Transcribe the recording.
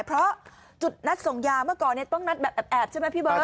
เพราะจุดนัดส่งยาเมื่อก่อนต้องนัดแบบแอบใช่ไหมพี่เบิร์